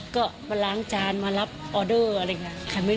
ก็มาล้างจานมารับออเดอร์อะไรอย่างนี้